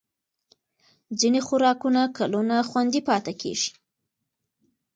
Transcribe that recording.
ځینې خوراکونه کلونه خوندي پاتې کېږي.